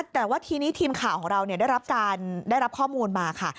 แต่ว่าทีนี้ทีมข่าวของเราได้รับข้อมูลมาค่ะ